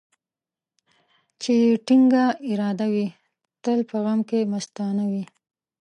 چي يې ټينگه اراده وي ، تل په غم کې مستانه وي.